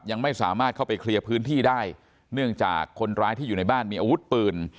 ยังไม่สามารถเข้าไปเคลียร์พื้นที่ได้เนื่องจากคนร้ายที่อยู่ในบ้านมีอาวุธปืน